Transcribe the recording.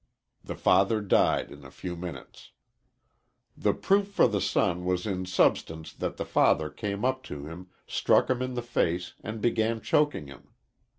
The father died in a few minutes. "The proof for the son was in substance that the father came up to him, struck him in the face, and began choking him.